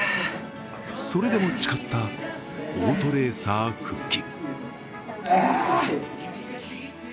それでも誓ったオートレーサー復帰。